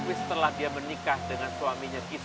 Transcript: tapi setelah dia menikah dengan suaminya kisoko ulla